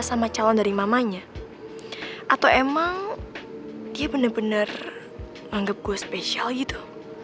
sama calon dari mamanya atau emang dia bener bener anggap gue spesial gitu